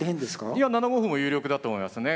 いや７五歩も有力だと思いますね。